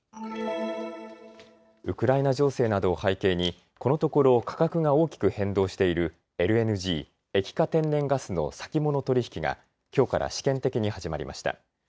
ウクライナ情勢などを背景にこのところ価格が大きく変動しているＬＮＧ・液化天然ガスの先物取引がきょうから試験的に始まりました。